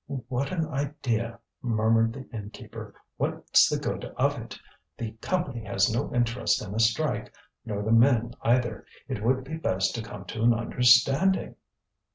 "What an idea!" murmured the innkeeper; "what's the good of it? The Company has no interest in a strike, nor the men either. It would be best to come to an understanding."